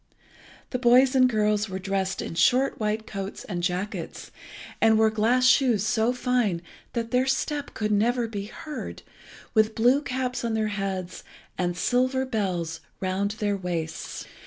The boys and girls were dressed in short white coats and jackets, and wore glass shoes so fine that their step could never be heard, with blue caps on their heads, and silver belts round their waists.